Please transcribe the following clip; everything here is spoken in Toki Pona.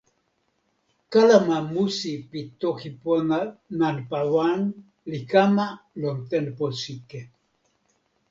kalama musi pi toki pona nanpa wan li kama lon tenpo sike.